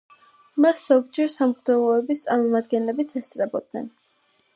მას ზოგჯერ სამღვდელოების წარმომადგენლებიც ესწრებოდნენ.